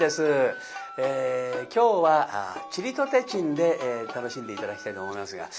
今日は「ちりとてちん」で楽しんで頂きたいと思いますが。